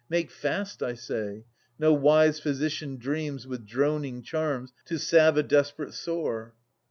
Make fast, I say. No wise physician dreams With droning charms to salve a desperate sore.